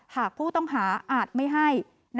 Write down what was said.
หากผู้ต้องหาอาจไม่ให้